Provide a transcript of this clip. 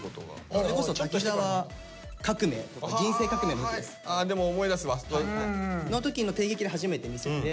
それこそ「滝沢革命」とかでも思い出すわ。の時の帝劇で初めて見せて。